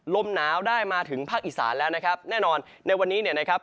ลมหนาวได้มาถึงภาคอีสานแล้วนะครับแน่นอนในวันนี้เนี่ยนะครับ